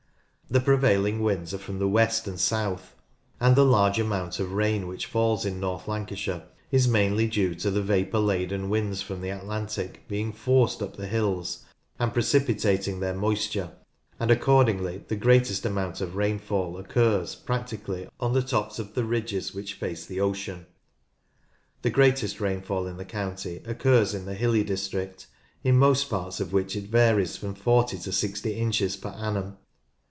The prevailing winds are from the west CLIMATE 83 and south, and the large amount of rain which falls in North Lancashire is mainly due to the vapour laden winds from the Atlantic being forced up the hills and precipi tating their moisture, and accordingly the greatest amount of rainfall occurs practically on the tops of the ridges which face the ocean. The greatest rainfall in the county occurs in the hilly district, in most parts of which it varies from 40 to 60 inches per annum.